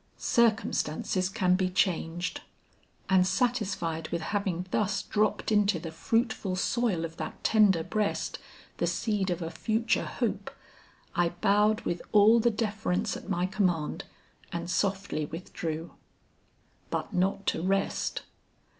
Circumstances can be changed." And satisfied with having thus dropped into the fruitful soil of that tender breast, the seed of a future hope, I bowed with all the deference at my command and softly withdrew. But not to rest.